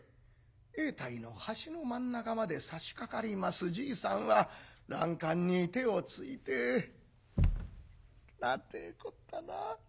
永代の橋の真ん中までさしかかりますじいさんは欄干に手をついて「なんてこったな。